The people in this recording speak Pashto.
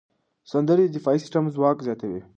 سندرې د دفاعي سیستم ځواک زیاتوي.